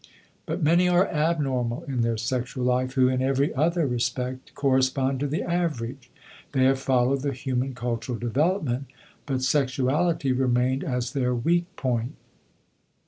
But many are abnormal in their sexual life who in every other respect correspond to the average; they have followed the human cultural development, but sexuality remained as their weak point.